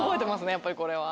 やっぱりこれは。